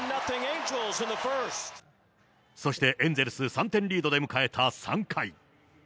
そしてエンゼルス３点リードで迎えた３回。